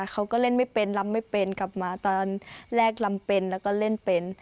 เขาก็เล่นไม่เป็นลำไม่เป็นกลับมาตอนแรกลำเป็นแล้วก็เล่นเป็น